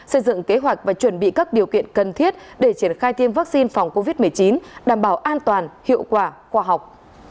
xây dựng kế hoạch và chuẩn bị các điều kiện cần thiết để triển khai tiêm vaccine phòng covid một mươi chín đảm bảo an toàn hiệu quả khoa học